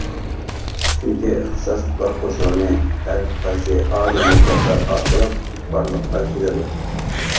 چۈنكى ئىختىساسلىقلار قوشۇنى ھەرقايسى ئالىي مەكتەپلەر ئارقىلىق بارلىققا كېلىدۇ.